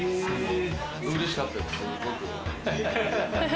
うれしかったです、すごく。